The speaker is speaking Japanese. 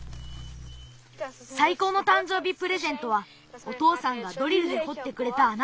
さいこうのたんじょうびプレゼントはおとうさんがドリルでほってくれたあな！